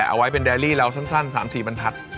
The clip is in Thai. เอาไว้เป็นแดรี่เราสั้น๓๔บรรทัศน์